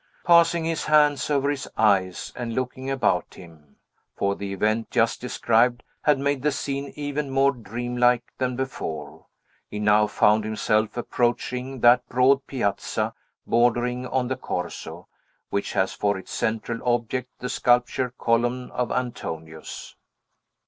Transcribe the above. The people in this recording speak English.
Passing his hands over his eyes, and looking about him, for the event just described had made the scene even more dreamlike than before, he now found himself approaching that broad piazza bordering on the Corso, which has for its central object the sculptured column of Antoninus.